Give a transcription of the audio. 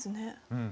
うん。